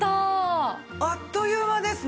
あっという間ですね。